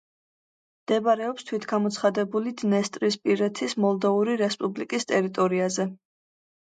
მდებარეობს თვითგამოცხადებული დნესტრისპირეთის მოლდოვური რესპუბლიკის ტერიტორიაზე.